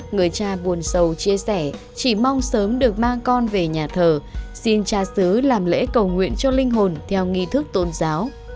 người cha buồn sâu chia sẻ chỉ mong sớm được mang con về nhà thờ xin tra xứ làm lễ cầu nguyện cho linh hồn theo nghi thức tôn giáo